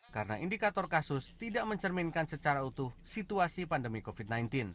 karena indikator kasus tidak mencerminkan secara utuh situasi pandemi covid sembilan belas